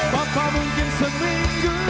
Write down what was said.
papan emang harus begini